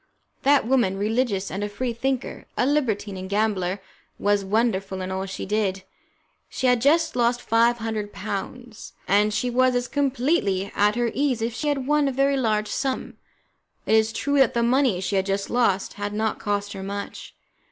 That woman, religious and a Free thinker, a libertine and gambler, was wonderful in all she did. She had just lost five hundred pounds, and she was as completely at her ease as if she had won a very large sum. It is true that the money she had just lost had not cost her much.